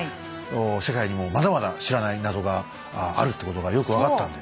世界にもまだまだ知らない謎があるってことがよく分かったんで。